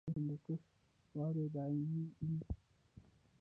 د هندوکش واورې دایمي دي